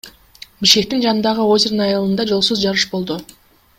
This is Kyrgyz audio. Бишкектин жанындагы Озерное айылында жолсуз жарыш болду.